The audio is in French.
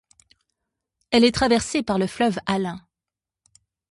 Elle est traversée par le fleuve Alun.